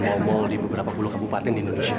momol di beberapa puluh kabupaten di indonesia